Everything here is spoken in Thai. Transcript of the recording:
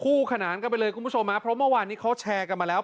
ขนานกันไปเลยคุณผู้ชมฮะเพราะเมื่อวานนี้เขาแชร์กันมาแล้ว